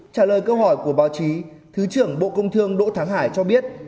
trả lời câu hỏi của báo chí thứ trưởng bộ công thương đỗ thắng hải cho biết